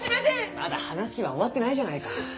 まだ話は終わってないじゃないか。